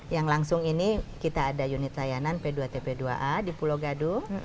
yang langsung ini kita ada unit layanan p dua tp dua a di pulau gadung